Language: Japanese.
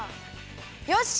よし！